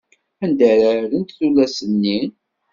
Anda ara rrent tullas-nni?